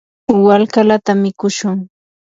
wallkallata mikushun.